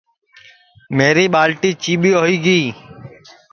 میری ٻالٹی چیٻی ہوئی گی